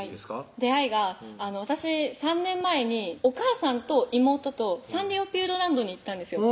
出会いが私３年前にお母さんと妹とサンリオピューロランドに行ったんですよ